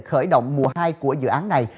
khởi động mùa hai của dự án này